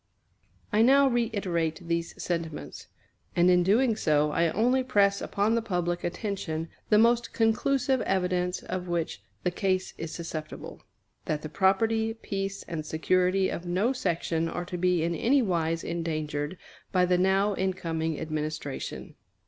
I now reiterate these sentiments; and in doing so I only press upon the public attention the most conclusive evidence of which the case is susceptible, that the property, peace, and security of no section are to be in anywise endangered by the now incoming administration.